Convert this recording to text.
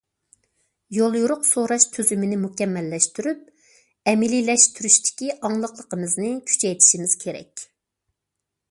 يوليورۇق سوراش تۈزۈمىنى مۇكەممەللەشتۈرۈپ، ئەمەلىيلەشتۈرۈشتىكى ئاڭلىقلىقىمىزنى كۈچەيتىشىمىز كېرەك.